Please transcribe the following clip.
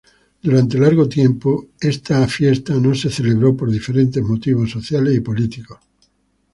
Durante largo tiempo esta celebración no fue celebrada por diferentes motivos sociales y políticos.